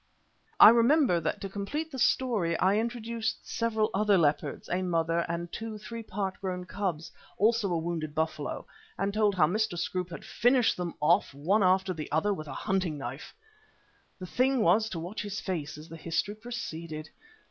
I remember that to complete the story I introduced several other leopards, a mother and two three part grown cubs, also a wounded buffalo, and told how Mr. Scroope finished them off one after the other with a hunting knife. The thing was to watch his face as the history proceeded.